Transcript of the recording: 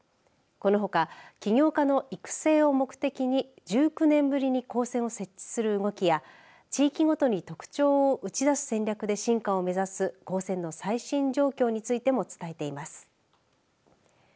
このほか起業家の育成を目的に１９年ぶりに高専を設置する動きや地域ごとに特徴を打ち出す戦略で進化を目指す高専の最新状況についても伝えています。